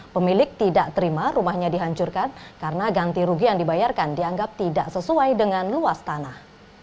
pemilik tidak terima rumahnya dihancurkan karena ganti rugi yang dibayarkan dianggap tidak sesuai dengan luas tanah